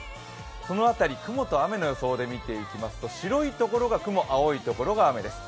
この辺り雲と雨の予想を見ていきますと白いところが雲青いところが雨です。